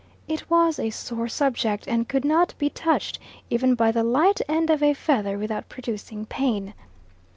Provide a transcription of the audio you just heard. It was a sore subject, and could not be touched even by the light end of a feather without producing pain.